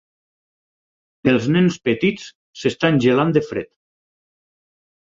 Els nens petits s'estan gelant de fred.